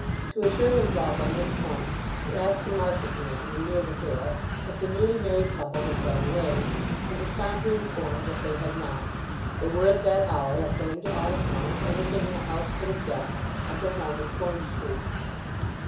To assure himself on this point he asked a market man when near the borough if the newly married couple had gone away, and was promptly informed that they had not; they were at that hour, according to all accounts, entertaining a houseful of guests at their home in Corn Street.